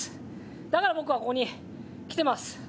だから僕はここに来てます。